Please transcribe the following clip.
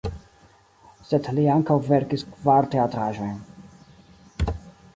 Sed li ankaŭ verkis kvar teatraĵojn.